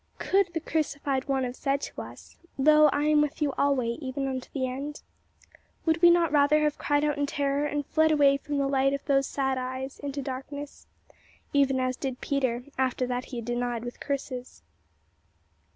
Could the crucified One have said unto us, "Lo, I am with you alway, even unto the end?" Would we not rather have cried out in terror and fled away from the light of those sad eyes into darkness, even as did Peter after that he had denied with curses.